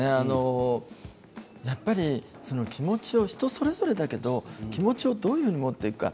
やっぱり気持ちを人それぞれだけど、気持ちをどういうふうに持っていくか。